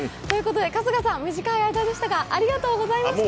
春日さん、短い間でしたがありがとうございました。